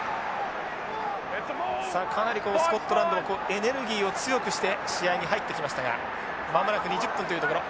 さあかなりスコットランドもエネルギーを強くして試合に入ってきましたが間もなく２０分というところ。